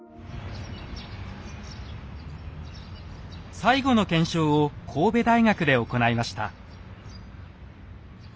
最後の検証を神戸大学で行いました。